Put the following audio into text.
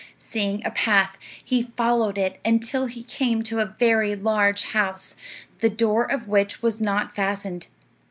Seeing a path, he followed it until he came to a very large house, the door of which was not fastened.